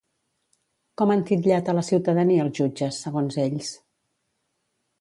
Com han titllat a la ciutadania els jutges, segons ells?